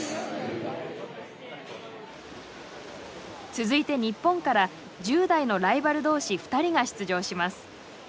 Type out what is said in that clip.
続いて日本から１０代のライバル同士２人が出場します。